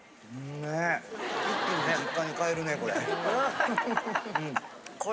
一気に実家にかえるねこれ。